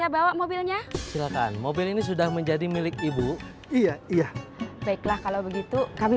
bawa mobilnya silakan mobil ini sudah menjadi milik ibu iya iya baiklah kalau begitu kami